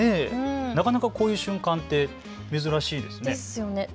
なかなかこういう瞬間って珍しいですね。